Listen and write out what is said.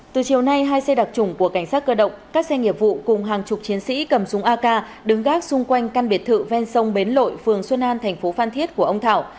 từ chiều nay hai xe đặc trùng của cảnh sát cơ động các xe nghiệp vụ cùng hàng chục chiến sĩ cầm súng ak đứng gác xung quanh căn biệt thự ven sông bến lội phường xuân an thành phố phan thiết của ông thảo